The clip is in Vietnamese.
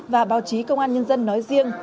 và báo chí công an nhân dân nói riêng